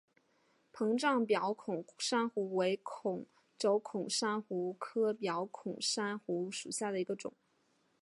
膨胀表孔珊瑚为轴孔珊瑚科表孔珊瑚属下的一个种。